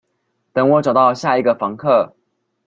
等我找到下一個房客